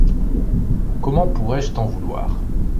Comment pourrais-je t’en vouloir ?